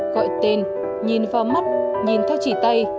gọi tên nhìn vào mắt nhìn theo chỉ tay